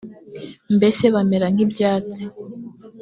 mbese bamera nk’ibyatsi